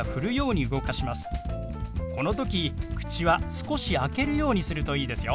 この時口は少し開けるようにするといいですよ。